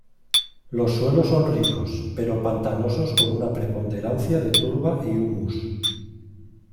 Los suelos son ricos, pero pantanosos con una preponderancia de turba y humus.